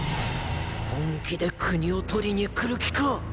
本気で国を盗りに来る気か！！